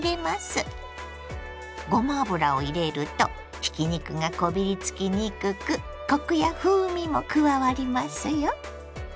ごま油を入れるとひき肉がこびりつきにくくコクや風味も加わりますよ。